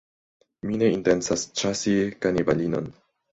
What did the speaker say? Mi ne intencas ĉasi kanibalinon.